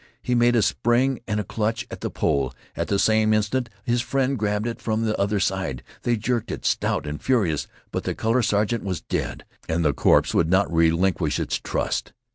He made a spring and a clutch at the pole. At the same instant his friend grabbed it from the other side. They jerked at it, stout and furious, but the color sergeant was dead, and the corpse would not relinquish its trust.